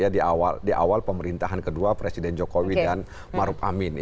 di awal pemerintahan kedua presiden jokowi dan maruf amin